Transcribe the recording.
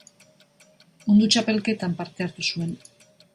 Mundu Txapelketan parte hartu zuen.